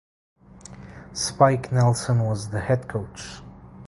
Spike Nelson was the head coach.